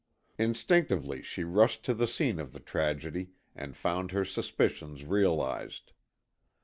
Instinctively she rushed to the scene of the tragedy and found her suspicions realized.